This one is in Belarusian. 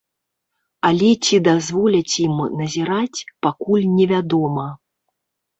Але ці дазволяць ім назіраць, пакуль невядома.